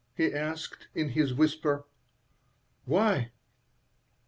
he asked, in his whisper "Why?"